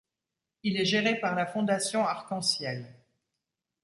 Il est géré par la fondation Arc-en-Ciel.